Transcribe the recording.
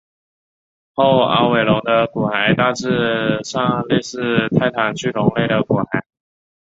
后凹尾龙的骨骸大致上类似泰坦巨龙类的骨骸。